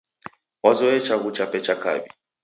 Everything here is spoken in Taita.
Wazoye chaghu chape cha kaw'i.